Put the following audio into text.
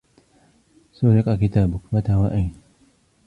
سرِقَ كتابُك ؟! متى وأين ؟